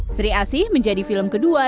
sri asih menjadi film kedua